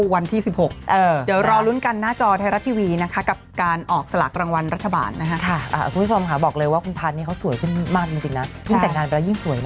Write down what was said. วันไหนเราถูกเราก็จะเพาะ